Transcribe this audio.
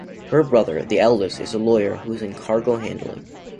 Her brother, the eldest, is a lawyer, who is in cargo handling.